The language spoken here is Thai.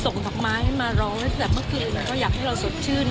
ส่งผักไม้มารอไว้แต่เมื่อคืนแล้วอยากให้เราสดชื่น